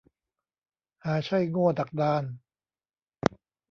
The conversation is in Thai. หาใช่โง่ดักดาน